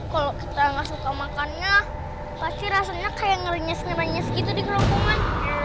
kalau kita gak suka makannya pasti rasanya kayak ngerenyes renyes gitu di kerompongan